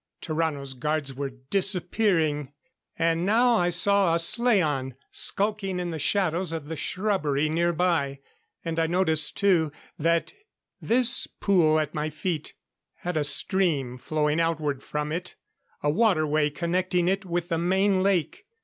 Tarrano's guards were disappearing. And now I saw a slaan skulking in the shadows of the shrubbery nearby. And I noticed, too, that this pool at my feet had a stream flowing outward from it a waterway connecting it with the main lake.